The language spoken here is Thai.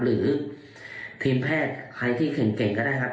หรือทีมแพทย์ใครที่เก่งก็ได้ครับ